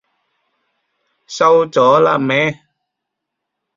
收咗喇咩？